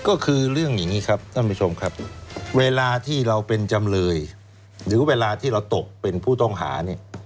ก็คือเรื่องอย่างนี้ครับท่านผู้ชมครับเวลาที่เราเป็นจำเลยหรือเวลาที่เราตกเป็นผู้ต้องหาเนี่ย